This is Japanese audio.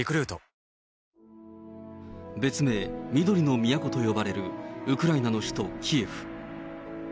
緑の都と呼ばれるウクライナの首都キエフ。